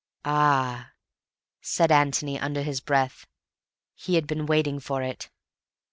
"Ah!" said Antony, under his breath. He had been waiting for it.